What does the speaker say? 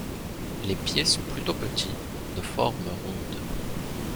Les pieds sont plutôt petits, de forme ronde.